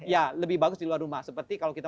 ya lebih bagus di luar rumah seperti kalau kita